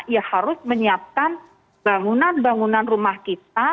ya harus menyiapkan bangunan bangunan rumah kita